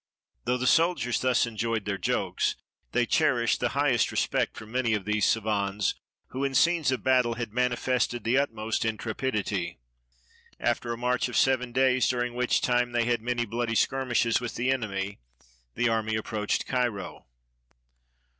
Though the soldiers thus enjoyed their jokes, they cherished the highest respect for many of these savans, who in scenes of battle had manifested the ut most intrepidity. After a march of seven days, during which time they had many bloody skirmishes with the enemy, the army approached Cairo.